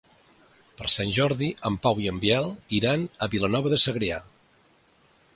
Per Sant Jordi en Pau i en Biel iran a Vilanova de Segrià.